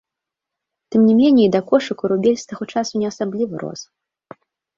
Тым не меней, да кошыку рубель з таго часу не асабліва рос.